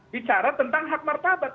bicara tentang hak martabat